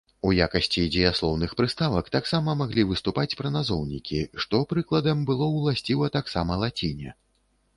У якасці дзеяслоўных прыставак таксама маглі выступаць прыназоўнікі, што, прыкладам, было ўласціва таксама лаціне.